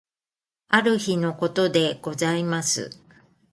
ある日のことでございます。